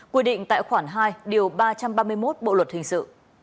quy định tại khoản hai điều ba trăm ba mươi một bộ luật hình sự